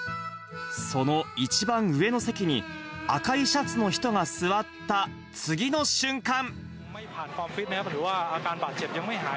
その一番上の席に、赤いシャツの人が座った次の瞬間。